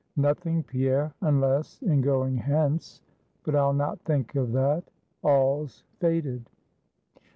"Nothing, Pierre; unless in going hence but I'll not think of that; all's fated."